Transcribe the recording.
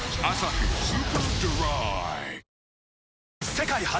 世界初！